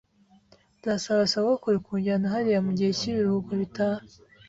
Nzasaba sogokuru kunjyana hariya mugihe cyibiruhuko bitaha.